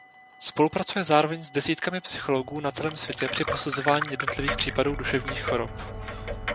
Spolupracuje zároveň s desítkami psychologů na celém světě při posuzování jednotlivých případů duševních chorob.